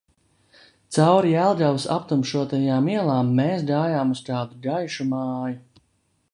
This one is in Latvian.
Cauri Jelgavas aptumšotajām ielām mēs gājām uz kādu gaišu māju.